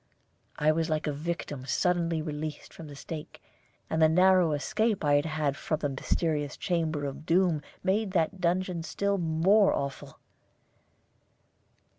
I was like a victim suddenly released from the stake, and the narrow escape I had had from the mysterious chamber of doom made that dungeon still more awful.